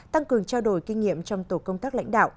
tăng cường trao đổi kinh nghiệm trong tổ công tác lãnh đạo